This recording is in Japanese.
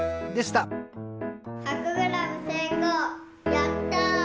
やった！